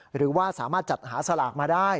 หรือว่าสามารถจัดหาสลากมาได้